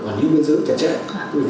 không đưa được cho các đối tượng